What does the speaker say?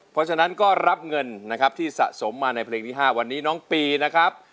เพราะฉะนั้นก็รับเงินนะครับที่สะสมมาในเพลงที่๕วันนี้น้องปีนะครับ